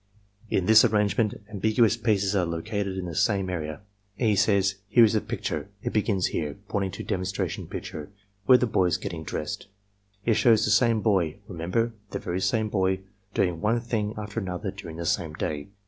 In this arrangement ambiguous pieces are located in the same area. E. says: ''Here is a picture — it begins here (pointing to demonstration picture) where the boy is getting dressed. It shows the same boy— remember , the very same boy — doing one thing after another during the same day.